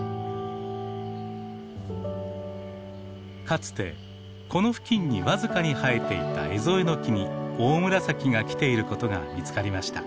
かつてこの付近に僅かに生えていたエゾエノキにオオムラサキが来ていることが見つかりました。